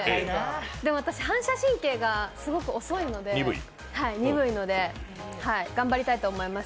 でも私、反射神経がすごく鈍いので頑張りたいと思います。